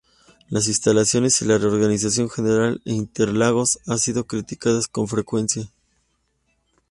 Las instalaciones y la organización general en Interlagos han sido criticadas con frecuencia.